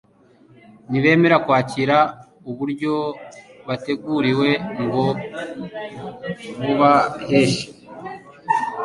Ntibemera kwakira uburyo bateguriwe ngo bubaheshe